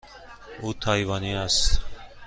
او تایوانی است.